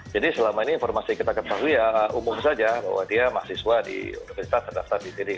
jadi selama ini informasi yang kita keberhasil ya umum saja bahwa dia mahasiswa di universitas terdaftar di sini